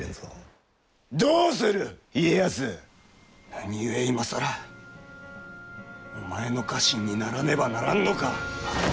何故今更お前の家臣にならねばならんのか！